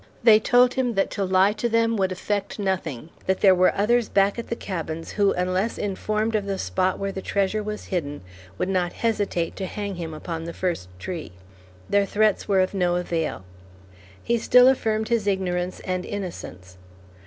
They told him that to lie to them would effect nothing; that there were others back at the cabins who unless informed of the spot where the treasure was hidden would not hesitate to hang him upon the first tree. Their threats were of no avail. He still affirmed his ignorance and innocence.